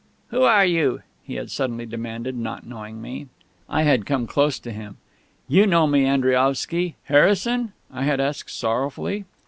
"Who are you?" he had suddenly demanded, not knowing me. I had come close to him. "You know me, Andriaovsky Harrison?" I had asked sorrowfully.